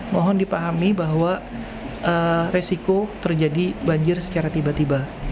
mohon dipahami bahwa resiko terjadi banjir secara tiba tiba